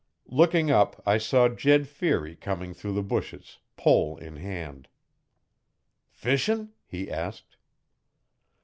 Looking up I saw Jed Feary coming through the bushes, pole in hand. 'Fishin'?' he asked.